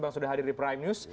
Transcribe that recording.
bang sudah hadir di prime news